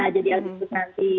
jadi agustus nanti